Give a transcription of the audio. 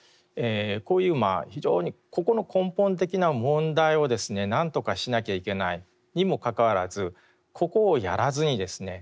こういうまあ非常にここの根本的な問題をですね何とかしなきゃいけないにもかかわらずここをやらずにですね